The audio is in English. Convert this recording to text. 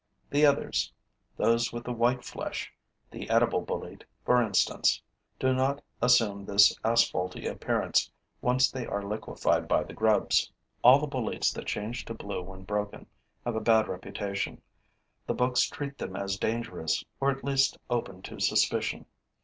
The others, those with the white flesh, the edible bolete, for instance, do not assume this asphalty appearance once they are liquefied by the grubs. All the boletes that change to blue when broken have a bad reputation; the books treat them as dangerous, or at least open to suspicion.